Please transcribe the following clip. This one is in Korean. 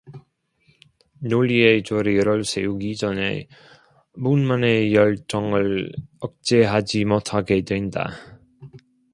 논리의 조리를 세우기 전에 분만의 열정을 억제하지 못하게 된다.